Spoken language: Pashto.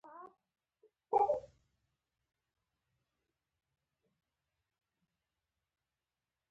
افغانستان د خپلو طبیعي زیرمو له پلوه له نورو هېوادونو سره اړیکې لري.